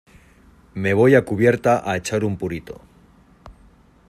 me voy a cubierta a echar un purito